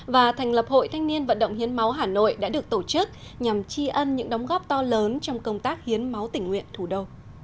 và thành lập hội thanh niên vận động hiến máu hà nội đã được tổ chức nhằm tri ân những đóng góp to lớn trong công tác hiến máu tỉnh nguyện thủ đô